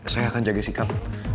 saya akan jaga sikap